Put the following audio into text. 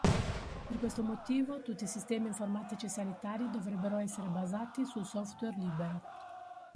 Per questo motivo tutti i sistemi informatici sanitari dovrebbero essere basati sul software libero.